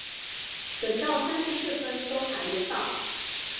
等到三十四分都还没到